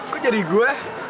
kok jadi gue